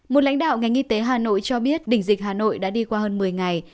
một lãnh đạo ngành y tế hà nội cho biết đỉnh dịch hà nội đã đi qua hơn một mươi ngày